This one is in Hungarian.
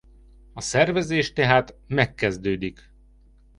A szervezés tehát megkezdődik.